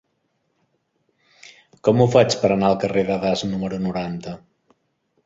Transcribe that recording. Com ho faig per anar al carrer de Das número noranta?